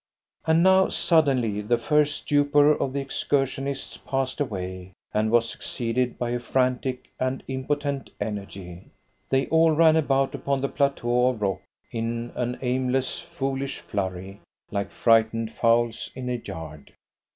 And now suddenly the first stupor of the excursionists passed away, and was succeeded by a frantic and impotent energy. They all ran about upon the plateau of rock in an aimless, foolish flurry, like frightened fowls in a yard.